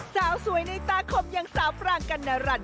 สาวสวยในตาคมอย่างสาวปรางกัณรัน